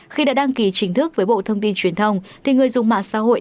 khi đã đăng ký chính thức với bộ thông tin truyền thông thì người dùng mạng xã hội